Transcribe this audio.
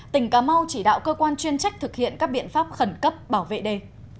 tỉnh cà mau chỉ đạo cơ quan chuyên trách thực hiện các biện pháp khẩn cấp bảo vệ đê